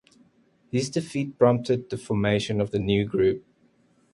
His defeat prompted the formation of the new group.